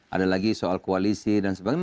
ada lagi soal koalisi dan sebagainya